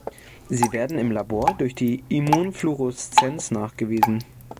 Sie werden im Labor durch die Immunfluoreszenz nachgewiesen.